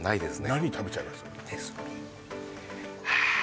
何食べちゃいますか？